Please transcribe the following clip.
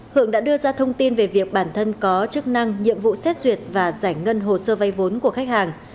hưởng đã đưa ra thông tin về việc bản thân có chức năng nhiệm vụ xét duyệt và giải ngân hồ sơ vay vốn của khách hàng